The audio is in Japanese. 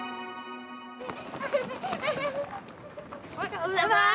おはようございます！